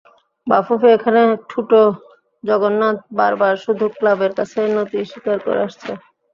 বাফুফে এখানে ঠুঁটো জগন্নাথ, বারবার শুধু ক্লাবের কাছে নতি স্বীকার করে আসছে।